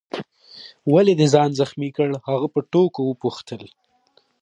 ولي دي ځان زخمي کړ؟ هغه په ټوکو وپوښتل.